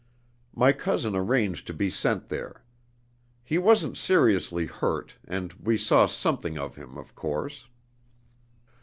My cousin arranged to be sent there. He wasn't seriously hurt, and we saw something of him, of course.